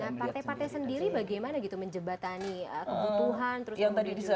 nah partai partai sendiri bagaimana gitu menjebatani kebutuhan terus kemudian juga